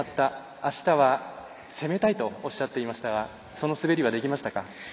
あしたは攻めたいとおっしゃっていましたがその滑りはできましたか？